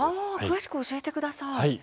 詳しく教えてください。